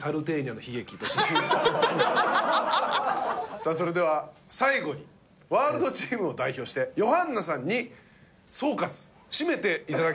さあそれでは最後にワールドチームを代表してヨハンナさんに総括締めて頂きたいと思います。